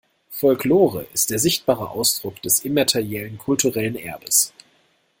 Folklore ist der sichtbare Ausdruck des immateriellen kulturellen Erbes.